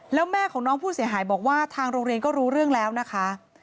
แล้วแม่ของน้องผู้เสียหายบอกว่าทางโรงเรียนก็รู้เรื่องแล้วนะคะ